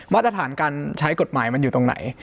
มาตรฐานการใช้กฎหมายมันอยู่ตรงไหน